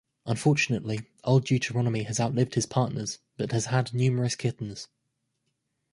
Unfortunately, Old Deuteronomy has outlived his partners, but has had numerous kittens.